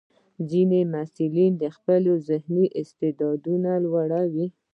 ځینې محصلین د خپل ذهني استعداد لوړوي.